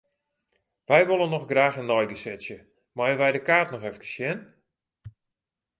Wy wolle noch graach in neigesetsje, meie wy de kaart noch efkes sjen?